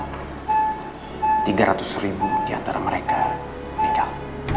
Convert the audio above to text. tiga ratus ribu di antara mereka meninggal